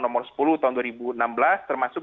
nomor sepuluh tahun dua ribu enam belas termasuk